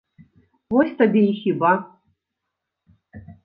Вось табе і хіба.